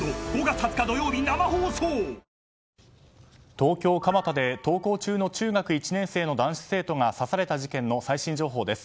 東京・蒲田で登校中の中学１年生の男子生徒が刺された事件の最新情報です。